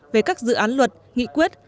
về các dự án luật nghị quyết